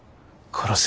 殺せ！